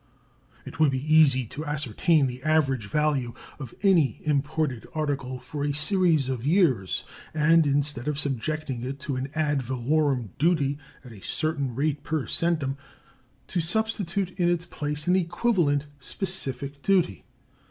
It would be easy to ascertain the average value of any imported article for a series of years, and, instead of subjecting it to an ad valorem duty at a certain rate per centum, to substitute in its place an equivalent specific duty.